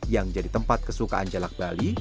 yang jadi tempat kesukaan jalak bali